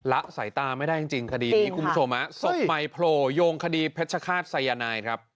ละสายตาไม่ได้จริงคดีนี้คุณผู้ชมฮะศพใหม่โผล่โยงคดีเพชรฆาตสายนายครับ